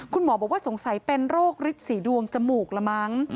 คุณหมอบอกว่าสงสัยเป็นโรคฤทธิ์สีดวงจมูกละมั้ง